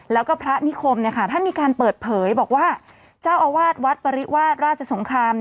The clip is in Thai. แล้วก็พระนิคมท่านมีการเปิดเผยบอกว่าเจ้าอาวาสวัดปริวาสราชสงคราม